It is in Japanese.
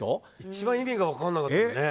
一番意味が分からなかったね。